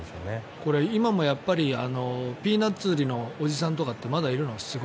これ、今もピーナッツ売りのおじさんとかってまだいるの？